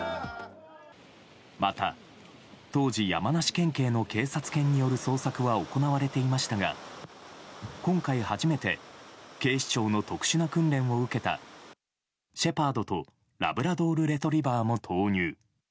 また、当時山梨県警の警察犬による捜索は行われていましたが今回初めて警視庁の特殊な訓練を受けたシェパードとラブラドルレトリバーも投入。